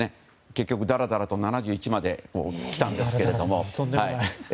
結局、だらだらと７１まで来たんですけども。